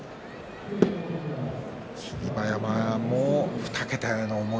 霧馬山も２桁への思い。